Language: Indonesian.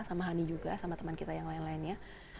sama hani juga sama teman kita yang lain lainnya